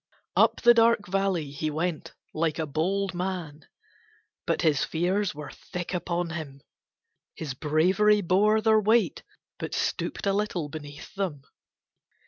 Up the dark valley he went like a bold man, but his fears were thick upon him; his bravery bore their weight but stooped a little beneath them.